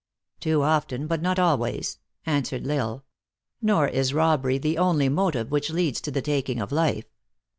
" Too often, but not always," answered L Isle. " Nor is robbery the only motive which leads to the taking of life.